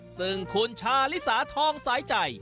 ซึ่งคุณชาลิสาทองสายใจ